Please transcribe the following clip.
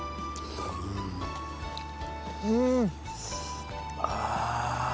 うん！ああ。